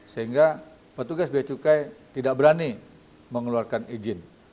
sehingga petugas biacukai tidak berani mengeluarkan izin